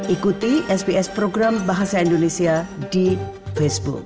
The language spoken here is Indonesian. ikuti sbs program bahasa indonesia di facebook